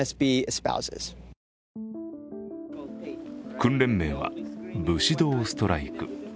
訓練名は武士道ストライク。